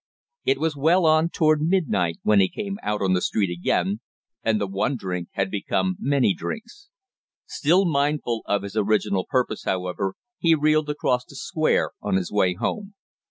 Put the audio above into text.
It was well on toward midnight when he came out on the street again, and the one drink had become many drinks; still mindful of his original purpose, however, he reeled across the Square on his way home.